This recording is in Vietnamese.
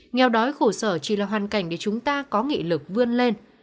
nghèo đói khổ sở chỉ là hoàn cảnh để chúng ta có nghị lực vươn lên